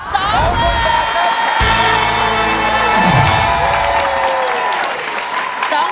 ๒หมื่น